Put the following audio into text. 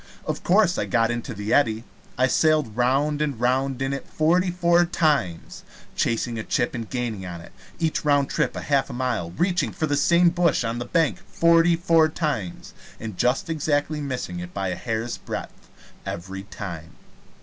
Of course I got into the eddy. I sailed round and round in it forty four times chasing a chip and gaining on it each round trip a half mile reaching for the same bush on the bank forty four times, and just exactly missing it by a hair's breadth every time.